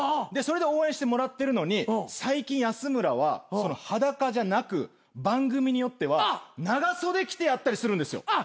でそれで応援してもらってるのに最近安村は裸じゃなく番組によっては長袖着てやったりするんですよ。